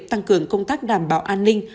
tăng cường công tác đảm bảo an ninh